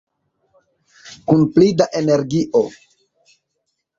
Kun pli da energio!